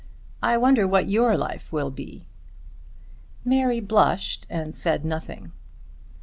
I wonder what your life will be." Mary blushed and said nothing.